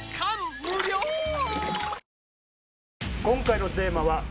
今回のテーマは。